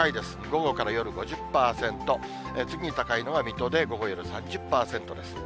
午後から夜５０％、次に高いのが水戸で午後、夜３０％です。